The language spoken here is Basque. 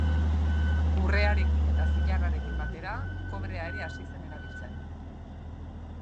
Urrearekin eta zilarrarekin batera kobrea ere hasi zen erabiltzen.